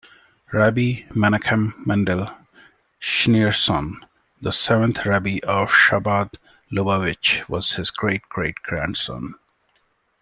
Rabbi Menachem Mendel Schneerson, the seventh Rebbe of Chabad-Lubavitch, was his great-great-grandson.